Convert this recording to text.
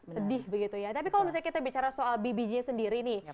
sedih begitu ya tapi kalau misalnya kita bicara soal bbj sendiri nih